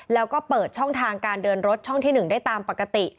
แล้วก็เปิดช่องทางการเดินรถช่องที่๑ได้ตามปกติ